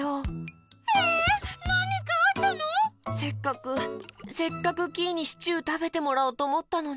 せっかくせっかくキイにシチューたべてもらおうとおもったのに。